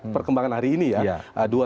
perkembangan hari ini ya